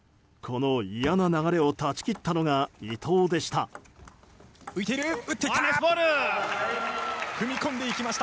この嫌な流れを断ち切ったのが伊藤でした。